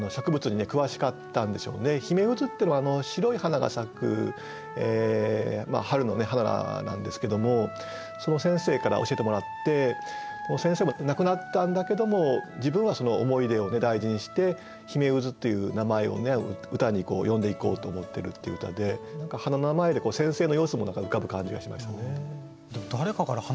ヒメウズっていうのは白い花が咲く春の花なんですけどもその先生から教えてもらって先生も亡くなったんだけども自分はその思い出を大事にしてヒメウズという名前を歌に詠んでいこうと思ってるっていう歌で何か花の名前で先生の様子も浮かぶ感じがしますね。